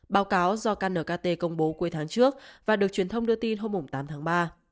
báo cáo do knkt công bố cuối tháng trước và được truyền thông đưa tin hôm tám tháng ba